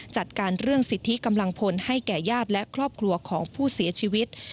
จัดการเรื่องสิทธิกำลังพลให้แก่ญาติและครอบครัวของผู้เสียชีวิต